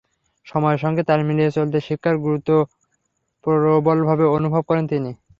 সময়ের সঙ্গে তাল মিলিয়ে চলতে শিক্ষার গুরুত্ব প্রবলভাবে অনুভব করেন তিনি।